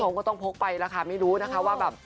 เขาก็ต้องพกไปแล้วค่ะไม่รู้นะคะว่าแบบ